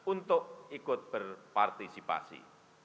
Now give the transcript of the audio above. untuk ikut berpartisipasi